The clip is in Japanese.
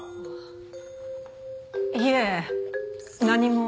いえ何も。